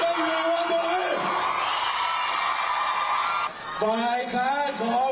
ที่เขาจัดตั้งกันอยู่เองนะพี่น้อง